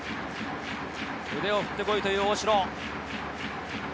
腕を振ってこいという大城。